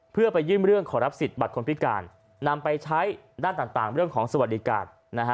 เพื่อไปยื่นเรื่องขอรับสิทธิ์บัตรคนพิการนำไปใช้ด้านต่างเรื่องของสวัสดิการ